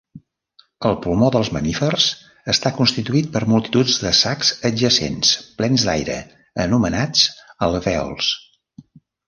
El pulmó dels mamífers està constituït per multitud de sacs adjacents plens d'aire anomenats alvèols.